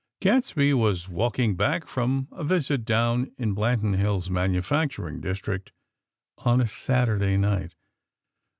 XXIX Gadsby was walking back from a visit down in Branton Hills' manufacturing district on a Saturday night.